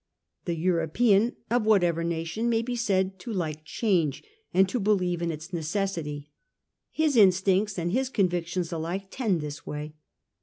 The European, of whatever nation, may be said to like change, and to believe in its necessity. His instincts and his convictions alike tend this way.